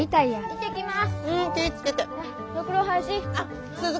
行ってきます！